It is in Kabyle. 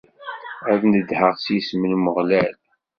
Ad nedheɣ s yisem n Umeɣlal.